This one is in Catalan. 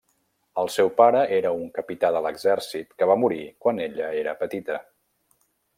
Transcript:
El seu pare era un capità de l'exèrcit que va morir quan ella era petita.